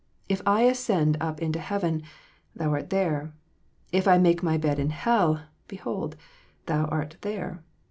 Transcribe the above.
If I ascend up into heaven, Thou art there : if I make my bed in hell, behold, Thou art there.